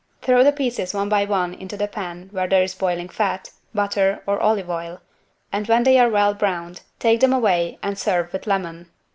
Throw the pieces one by one into the pan where there is boiling fat, butter or olive oil, and when they are well browned, take them away and serve with lemon.